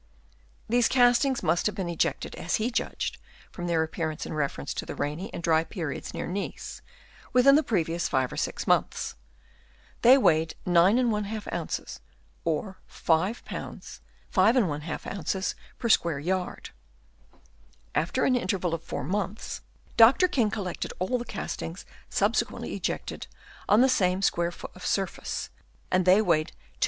These castings must have been ejected, as he judged from their appearance in reference to the rainy and dry periods near Nice, within the previous five or six months ; they weighed 9«| oz., or 5 lb. 5^ oz. per square yard. After an interval of four months, Dr. King collected all the castings subsequently ejected on the same square foot of surface, and they weighed 2^oz.